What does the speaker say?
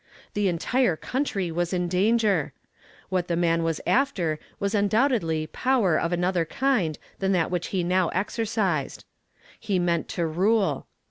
The entire country was in danger. What the man was after was undoubtedly power of aiv "SHALL THE DEAD ARISE?" 289 other kind than that which he now exercised. He meant to rule.